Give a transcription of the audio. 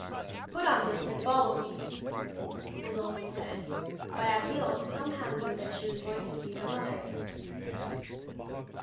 'Put on this and follow me,' was all he said. But Abeille somehow knew that she was going to see her mother.